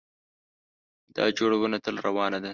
دا جوړونه تل روانه ده.